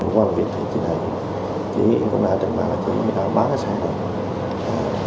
qua việc thử chị này chị cũng đã đặt bản là chị đã bán cái xe này